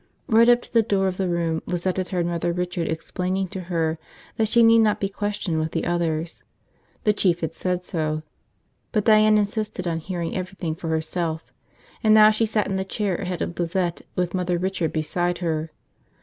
Right up to the door of the room Lizette had heard Mother Richard explaining to her that she need not be questioned with the others, the Chief had said so. But Diane insisted on hearing everything for herself. And now she sat in the chair ahead of Lizette with Mother Richard beside her.